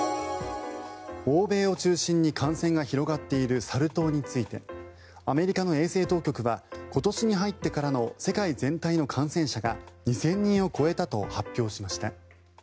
欧米を中心に感染が広がっているサル痘についてアメリカの衛生当局は今年に入ってからの世界全体の感染者が２０００人を超えたと発表しました。